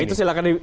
ya itu silahkan